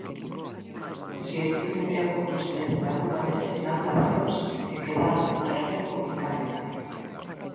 Si, estiven eu con vostede nalgunha desas inauguracións, que quedaron no terreo unicamente.